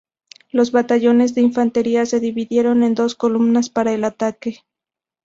Los batallones de infantería se dividieron en dos columnas para el ataque.